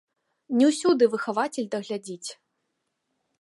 Не ўсюды выхавацель даглядзіць.